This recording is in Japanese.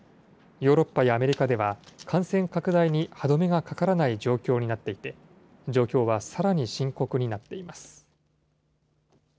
ヨーロッパやアメリカでは、感染拡大に歯止めがかからない状況になっていて、状況はさらに深刻になっています。